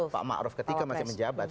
pak ma'ruf ketika masih menjabat